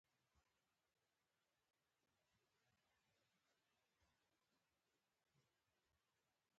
دوی غوښتل خپل شرکتونه د مورګان پر اوږو بار کړي.